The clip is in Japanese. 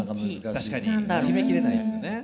確かに決め切れないですよね。